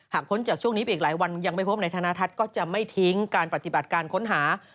พ้นจากช่วงนี้ไปอีกหลายวันยังไม่พบนายธนทัศน์ก็จะไม่ทิ้งการปฏิบัติการค้นหา